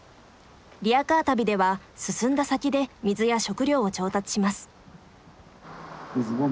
リヤカー旅では進んだ先で水や食料を調達します。